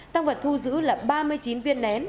tăng vật thu giữ là ba mươi chín viên nén